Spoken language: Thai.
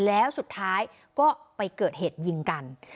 แล้วสุดท้ายก็ไปเกิดเหตุยิงกัน